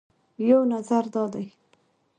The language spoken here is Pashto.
یو نظر دا دی